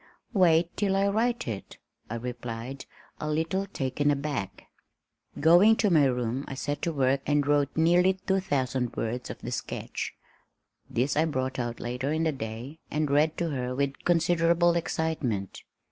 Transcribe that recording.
"Wait till I write it," I replied, a little taken aback. Going to my room I set to work and wrote nearly two thousand words of the sketch. This I brought out later in the day and read to her with considerable excitement.